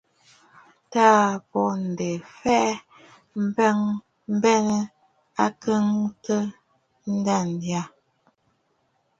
Taà bô ǹdè fɛʼɛ, bɔɔ bênə̀ ŋ̀kɔɔntə nda yâ.